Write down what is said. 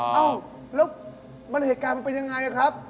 อ้าวแล้วมาด้านเหตุการณ์มันเป็นอย่างไรครับ